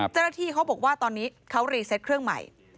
เจ้าหน้าที่เขาบอกว่าตอนนี้เขารีเซตเครื่องใหม่